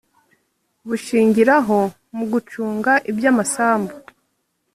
Bushingiraho mu gucunga iby amasambu